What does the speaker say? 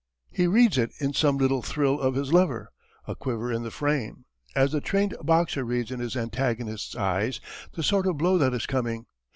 He reads it in some little thrill of his lever, a quiver in the frame, as the trained boxer reads in his antagonist's eyes the sort of blow that is coming.